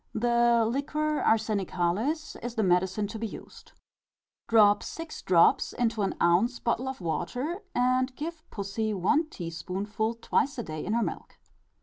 The liquor arsenicalis is the medicine to be used: drop six drops into an ounce bottle of water, and give pussy one teaspoonful twice a day in her milk.